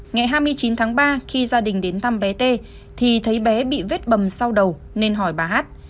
ngày hai mươi chín tháng ba khi gia đình đến thăm bé t thì thấy bé bị vết bầm sau đầu nên hỏi bà hát